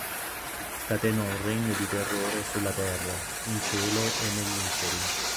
Scatenò un regno di terrore sulla terra, in cielo e negli inferi.